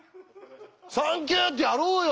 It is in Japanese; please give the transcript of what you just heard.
「サンキュー！」ってやろうよ！